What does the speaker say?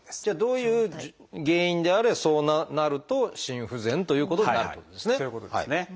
じゃあどういう原因であれそうなると心不全ということになるということですね。